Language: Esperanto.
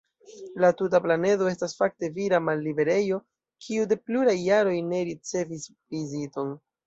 La tuta planedo estas fakte vira malliberejo kiu de pluraj jaroj ne ricevis viziton.